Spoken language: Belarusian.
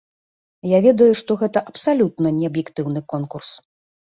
Я ведаю, што гэта абсалютна не аб'ектыўны конкурс.